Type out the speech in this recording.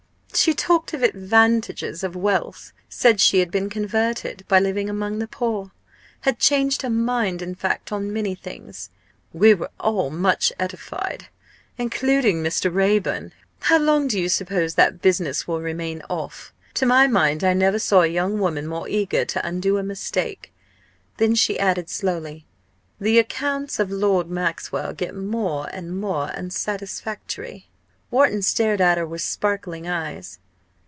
She talked of the advantages of wealth; said she had been converted by living among the poor had changed her mind, in fact, on many things. We were all much edified including Mr. Raeburn. How long do you suppose that business will remain 'off'? To my mind I never saw a young woman more eager to undo a mistake." Then she added slowly, "The accounts of Lord Maxwell get more and more unsatisfactory." Wharton stared at her with sparkling eyes.